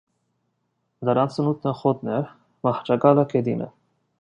Նրանց սնունդը խոտն էր, մահճակալը՝ գետինը։